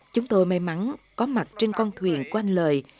chúng tôi may mắn có mặt trên con thuyền của anh lời